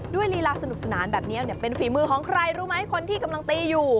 ลีลาสนุกสนานแบบนี้เป็นฝีมือของใครรู้ไหมคนที่กำลังตีอยู่